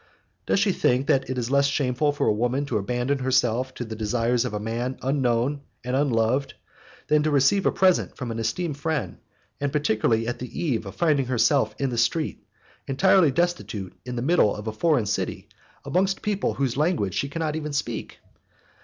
Does she think that it is less shameful for a woman to abandon herself to the desires of a man unknown and unloved than to receive a present from an esteemed friend, and particularly at the eve of finding herself in the street, entirely destitute in the middle of a foreign city, amongst people whose language she cannot even speak?